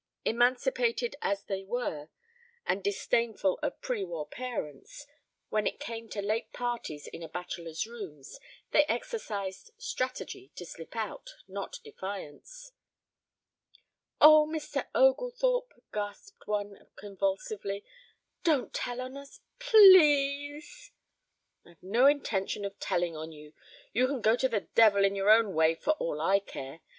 Emancipated as they were and disdainful of pre war parents, when it came to late parties in a bachelor's rooms they exercised strategy to slip out, not defiance. "Oh, Mr. Oglethorpe," gasped one convulsively. "Don't tell on us, p l e a s e." "I've no intention of telling on you. You can go to the devil in your own way for all I care.